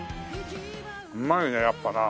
うまいねやっぱな。